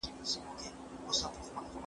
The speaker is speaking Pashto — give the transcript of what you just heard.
افغانستان د ډیرو نړیوالو تړونونو غړی و.